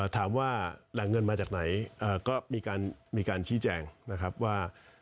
ถามว่าแหล่งเงินมาจากไหนก็มีการชี้แจงนะครับว่า